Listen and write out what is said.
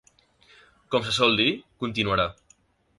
Com se sol dir, continuarà.